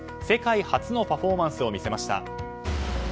世界初のパフォーマンスを見せました。